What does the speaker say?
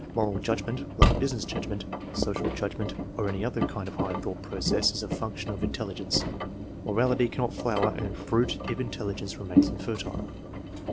Moral judgment, like business judgment, social judgment, or any other kind of higher thought process, is a function of in telligence. Morality cannot flower and fruit if intelligence remains infantile.